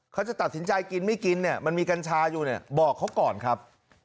เขาจะตัดสินใจกินไม่กินเนี่ยมันมีกัญชาอยู่เนี่ยบอกเขาก่อนครับ